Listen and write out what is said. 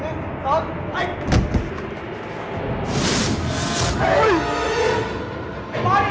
แกหล่อชั้นลงเป็นน้องฟ้าหรอ